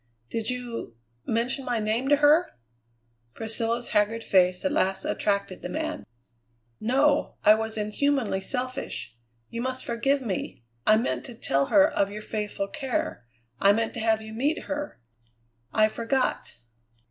"Did you mention my name to her?" Priscilla's haggard face at last attracted the man. "No. I was inhumanly selfish. You must forgive me. I meant to tell her of your faithful care; I meant to have you meet her. I forgot."